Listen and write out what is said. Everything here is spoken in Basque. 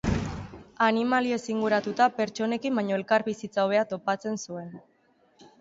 Animaliez inguratuta pertsonekin baino elkarbizitza hobea topatzen zuen.